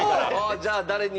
じゃあ誰に？